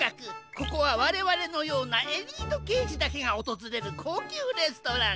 ここはわれわれのようなエリートけいじだけがおとずれるこうきゅうレストラン。